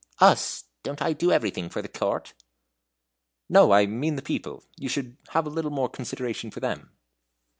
"Us! don't I do everything for the Court?" "No! I mean the people. You should have a little more consideration for them."